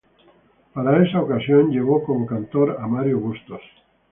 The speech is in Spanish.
Para esa ocasión llevó como cantor a Mario Bustos.